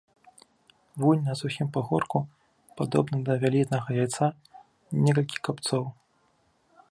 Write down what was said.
Вунь на сухім пагорку, падобным да вялізнага яйца, некалькі капцоў.